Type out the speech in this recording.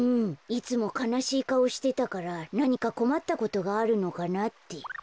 いつもかなしいかおしてたからなにかこまったことがあるのかなって。